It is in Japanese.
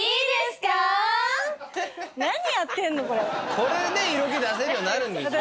これで色気出せるようになるんですよ。